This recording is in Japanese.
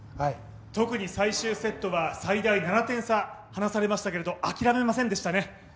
特に最終セットは最大７点差離されましたけど諦めませんでしたね。